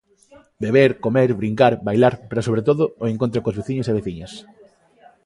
Beber, comer, brincar, bailar pero sobre todo o encontro cos veciños e veciñas.